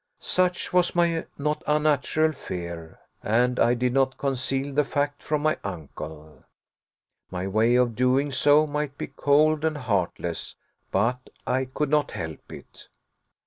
Such was my not unnatural fear, and I did not conceal the fact from my uncle. My way of doing so might be cold and heartless, but I could not help it.